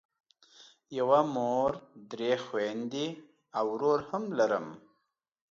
یوه مور درې خویندې او ورور هم لرم.